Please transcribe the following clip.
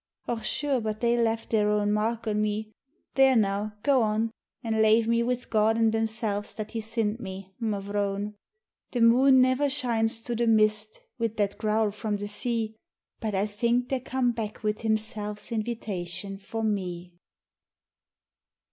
Och, sure, but they left their own mark on me. There now, go on, An' lave me with God an' themselves that He sint me — mavrone ! The moon niver shines through the mist wid that growl from the sea But I think they're come back wid Himself's invitation for me.